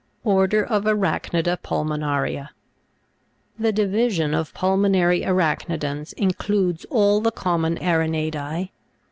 ORDER OF ARACH'NIDA PULMONA'RIA. 15. The division of pulmonary arachnidans includes all the common araneidaB.